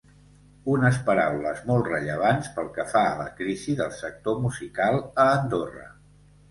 Unes paraules molt rellevants pel que fa a la crisi del sector musical a Andorra.